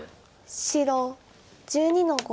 白１２の五。